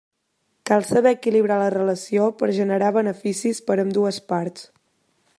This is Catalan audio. Cal saber equilibrar la relació per generar beneficis per ambdues parts.